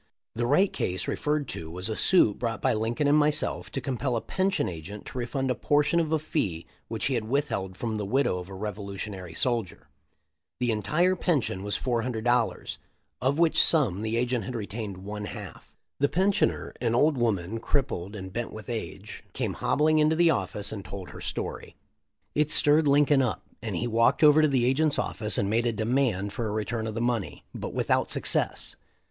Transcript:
The Wright case referred to was a suit brought by Lincoln and myself to compel a pension agent to refund a por tion of a fee which he had withheld from the widow of a revolutionary soldier. The entire pension was $400.00, of which sum the agent had retained one half. The pensioner, an old woman crippled and bent with age, came hobbling into the office and told her story. It stirred Lincoln up, and he walked over to the agent's office and made a demand for a THE LIFE OF LINCOLN. 341 return of the money, but without success.